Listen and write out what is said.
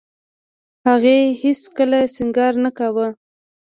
هغې هېڅ کله سينګار نه کاوه.